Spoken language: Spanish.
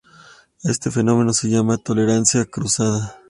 A este fenómeno se llama tolerancia cruzada.